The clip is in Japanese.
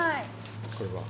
これは。